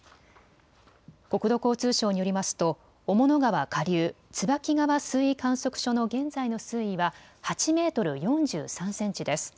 国土交通省によりますと雄物川下流、椿川水位観測所の現在の水位は８メートル４３センチです。